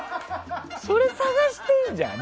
それ探してるじゃん。